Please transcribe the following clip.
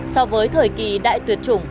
so với thời kỳ đại tuyệt chủng